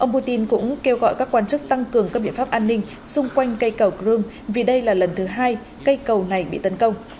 ông putin cũng kêu gọi các quan chức tăng cường các biện pháp an ninh xung quanh cây cầu crimea vì đây là lần thứ hai cây cầu này bị tấn công